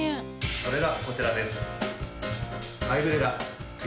それがこちらです。